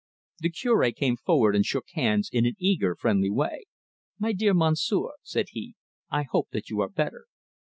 The Cure came forward and shook hands in an eager friendly way. "My dear Monsieur," said he, "I hope that you are better."